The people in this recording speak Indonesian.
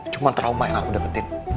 cuma trauma yang aku dapetin